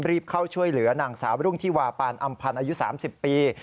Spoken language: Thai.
เข้าช่วยเหลือนางสาวรุ่งที่วาปานอำพันธ์อายุ๓๐ปี